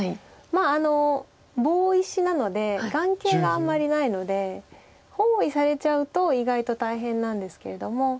まあ棒石なので眼形があんまりないので包囲されちゃうと意外と大変なんですけども。